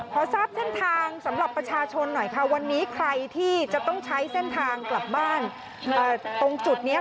พอทราบเส้นทางสำหรับประชาชนหน่อยค่ะวันนี้ใครที่จะต้องใช้เส้นทางกลับบ้านตรงจุดนี้